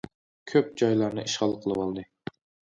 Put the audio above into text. كۆپ جايلارنى ئىشغال قىلىۋالدى.